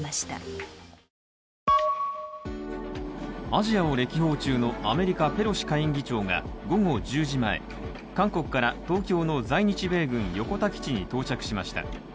アジアを歴訪中のアメリカペロシ下院議長が午後１０時前韓国から東京の在日米軍横田基地に到着しました。